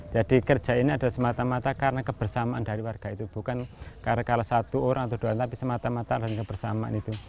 jadi kerja ini adalah semata mata karena kebersamaan dari warga itu bukan karena kalah satu orang atau dua orang tapi semata mata dari kebersamaan itu